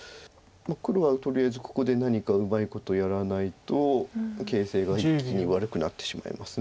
黒はとりあえずここで何かうまいことやらないと形勢が一気に悪くなってしまいます。